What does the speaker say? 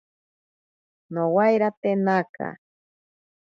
Nowairate naka.